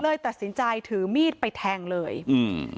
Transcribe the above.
เลยตัดสินใจถือมีดไปแทงเลยอืม